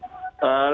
lebih lanjut pak